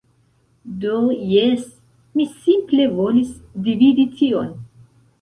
Do, jes, mi simple volis dividi tion.